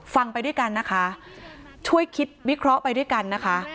ไปด้วยกันนะคะช่วยคิดวิเคราะห์ไปด้วยกันนะคะ